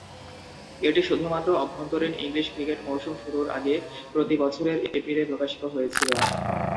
এটি শুধুমাত্র অভ্যন্তরীণ ইংলিশ ক্রিকেট মৌসুম শুরুর আগে প্রতি বছরের এপ্রিলে প্রকাশিত হয়েছিল।